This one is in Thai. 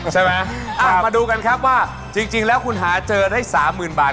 ใช่ไหมอ่ะมาดูกันครับว่าจริงจริงแล้วคุณหาเจอได้สามหมื่นบาท